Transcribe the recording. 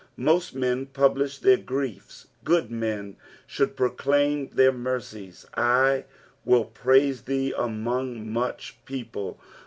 Most men publish their griefs, good men should protlaim their merciea. "7 will praite thee among mueh people."